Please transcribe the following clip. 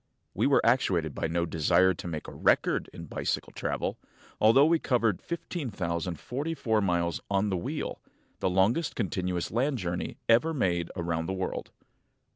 We were actuated by no desire to make a "record" in bicycle travel, although we covered 15,044 miles on the wheel, the longest continuous land journey ever made around the world.